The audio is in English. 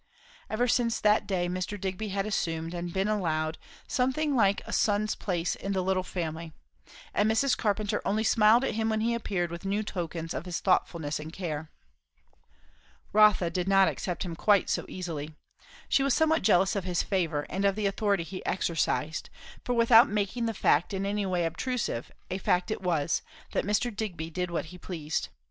Ever since that day Mr. Digby had assumed, and been allowed, something like a son's place in the little family; and Mrs. Carpenter only smiled at him when he appeared with new tokens of his thoughtfulness and care. Rotha did not accept him quite so easily. She was somewhat jealous of his favour and of the authority he exercised; for without making the fact in any way obtrusive, a fact it was, that Mr. Digby did what he pleased.